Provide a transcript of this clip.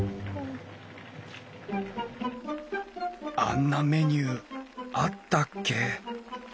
あんなメニューあったっけ？